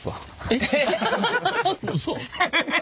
えっうそ。